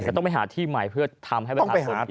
แต่ต้องไปหาที่ใหม่เพื่อทำให้ไปหาคนอีก